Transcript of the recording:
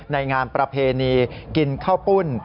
งานประเพณีกินข้าวปุ้น